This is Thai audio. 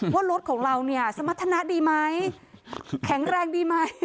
ว่ารถของเราเนี่ยสมรรถนะดีไหมแข็งแรงดีไหม